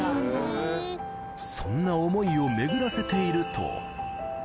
そんな思いを巡らせていると。